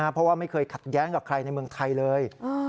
เพราะว่าไม่เคยขัดแย้งกับใครในเมืองไทยเลย